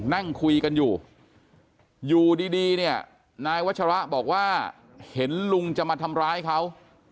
นั่งคุยกันอยู่อยู่ดีเนี่ยนายวัชระบอกว่าเห็นลุงจะมาทำร้ายเขา